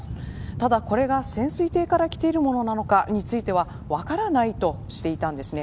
ただこれが、潜水艇からきているものなのかについては分からないとしていたんです。